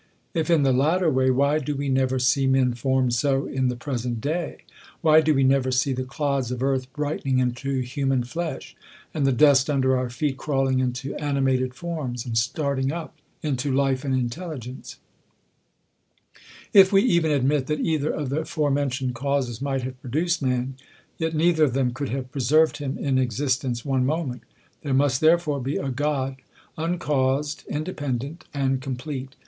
If in the latter way, why do we never see men formed so in the present day ? Why do we never see the clods of earth brightening into human flesh, and the dust under our feet crawling into animated forms, and starting up into life and intelligence ? R2 K 198 THE COLUMBIAN ORATOR. If wc even admit that either of the foremcntioned causes might have produced man, yet neither of theij^ could have preserved him in existence one momenfl There must therefore be a God uncaused, independent, and complete.